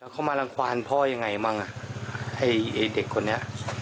เขามารังความพ่อยังไงบ้างอ่ะไอ้เด็กคนนี้